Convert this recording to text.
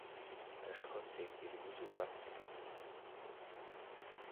Ашхырцәаӷь ирҩызоуп аҳәсагьы.